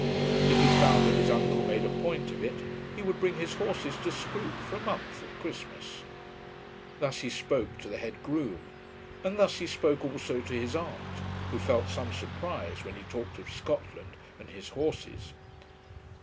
If he found that his uncle made a point of it, he would bring his horses to Scroope for a month at Christmas. Thus he spoke to the head groom, and thus he spoke also to his aunt, who felt some surprise when he talked of Scotland and his horses.